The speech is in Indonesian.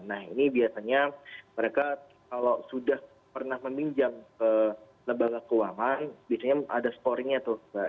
nah ini biasanya mereka kalau sudah pernah meminjam ke lembaga keuangan biasanya ada skornya tuh mbak